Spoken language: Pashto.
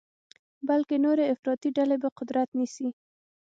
بلکې نورې افراطي ډلې به قدرت نیسي.